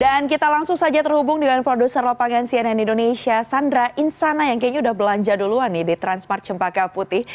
dan kita langsung saja terhubung dengan produser lopangensianen indonesia sandra insana yang kayaknya udah belanja duluan nih di transmart cempaka putih